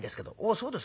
『そうですか。